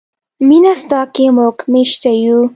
مینه ستا کې موږ میشته یو.